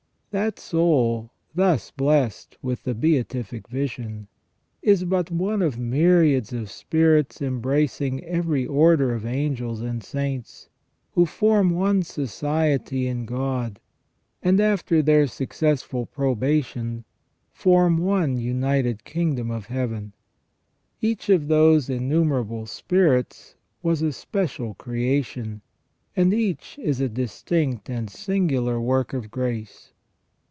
That soul, thus blessed with the Beatific Vision, is but one of myriads of spirits embracing every order of angels and saints, who form one society in God, and after their successful probation form one united kingdom of Heaven. Each of those innumerable spirits was a special creation, and each is a distinct and singular work of grace.